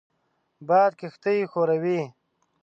باد کښتۍ ښوروي